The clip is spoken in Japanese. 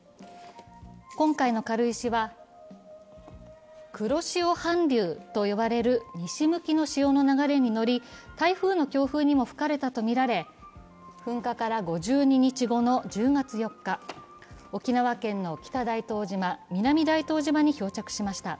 今回の軽石は、黒潮反流と呼ばれる西向きの潮の流れに乗り台風の強風にも吹かれたとみられ噴火から５２日後の１０月４日、沖縄県の北大東島、南大東島に漂着しました。